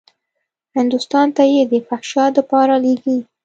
هندوستان ته يې د فحشا دپاره لېږي.